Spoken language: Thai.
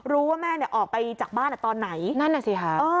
รู้ว่าแม่เนี่ยออกไปจากบ้านอ่ะตอนไหนนั่นน่ะสิค่ะเออ